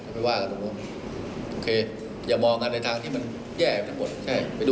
แต่เจ้าก็แข็งแรงเยอะนะ